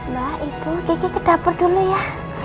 mbak ibu cici ke dapur dulu ya